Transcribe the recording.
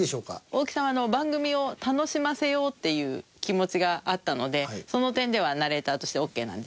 大木さんは番組を楽しませようっていう気持ちがあったのでその点ではナレーターとしてオッケーなんですけど。